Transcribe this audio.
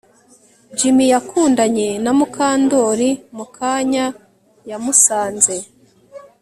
Jim yakundanye na Mukandoli mukanya yamusanze